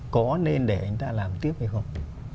có nên để người ta làm tiếp hay không